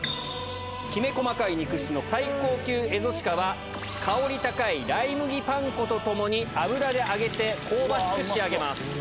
きめ細かい肉質の最高級蝦夷鹿は、香り高いライ麦パン粉とともに油で揚げて、香ばしく仕上げます。